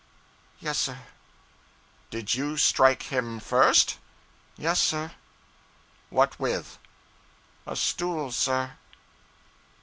'Yes, sir.' 'Did you strike him first?' 'Yes, sir.' 'What with?' 'A stool, sir.'